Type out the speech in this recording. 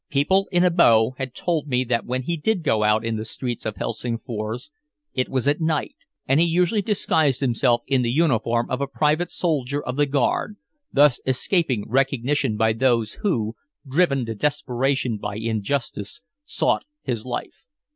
People in Abo had told me that when he did go out into the streets of Helsingfors it was at night, and he usually disguised himself in the uniform of a private soldier of the guard, thus escaping recognition by those who, driven to desperation by injustice, sought his life.